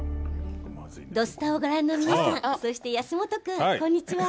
「土スタ」をご覧の皆さんそして安元君、こんにちは。